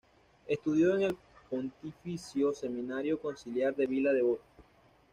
Estudió en el Pontificio Seminario Conciliar de Villa Devoto.